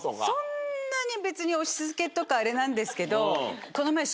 そんなに別に押しつけとかあれなんですけど。